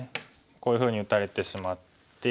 こういうふうに打たれてしまって。